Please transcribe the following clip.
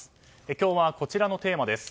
今日は、こちらのテーマです。